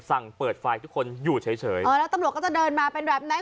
สั่งเปิดไฟทุกคนอยู่เฉยเฉยอ๋อแล้วตำรวจก็จะเดินมาเป็นแบบนั้น